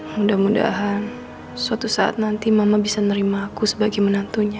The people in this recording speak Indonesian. mudah mudahan suatu saat nanti mama bisa nerima aku sebagai menantunya